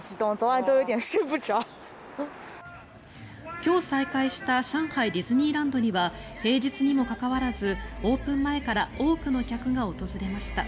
今日再開した上海ディズニーランドには平日にもかかわらずオープン前から多くの客が訪れました。